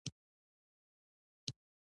ځار شم له تانه ياره ویښ کېنه.